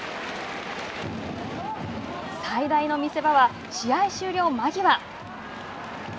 最大の見せ場は試合終了間際。